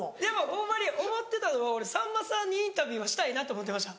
ホンマに思ってたのは俺さんまさんにインタビューはしたいなと思ってました。